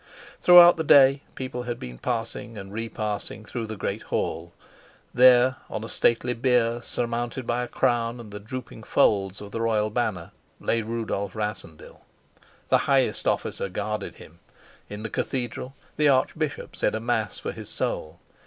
Throughout the day people had been passing and repassing through the great hall. There, on a stately bier surmounted by a crown and the drooping folds of the royal banner, lay Rudolf Rassendyll. The highest officer guarded him; in the cathedral the archbishop said a mass for his soul.